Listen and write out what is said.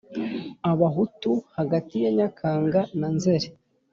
abahutu hagati ya nyakanga na nzeri